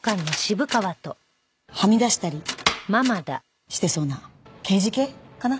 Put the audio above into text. はみ出したりしてそうな刑事系かな？